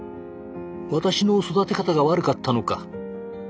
「私の育て方が悪かったのか」